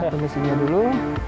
masukkan di sini dulu